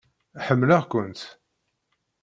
Ḥemmleɣ-kent!